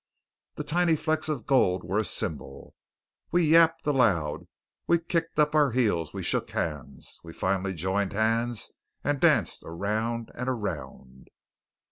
The tiny flecks of gold were a symbol. We yapped aloud, we kicked up our heels, we shook hands, we finally joined hands and danced around and around.